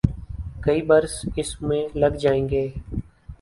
کئی برس اس میں لگ جائیں گے۔